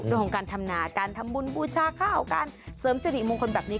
ด้วยของการทำนาทำบุญบูชาข้าวการเสริมสวัสดิ์มงคลแบบนี้